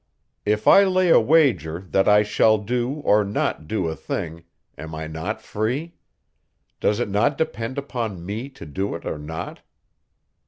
"If I lay a wager, that I shall do, or not do a thing, am I not free? Does it not depend upon me to do it or not?"